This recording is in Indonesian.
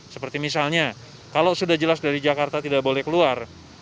seperti misalnya kalau sudah jelas dari jakarta tidak boleh keluar